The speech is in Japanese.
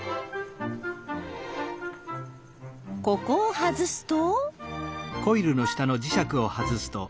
ここを外すと。